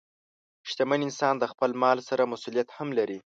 شتمن انسان د خپل مال سره مسؤلیت هم لري.